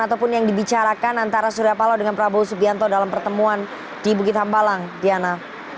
ataupun yang dibicarakan antara surya palo dengan prabowo subianto dalam pertemuan di bukit hambalang diana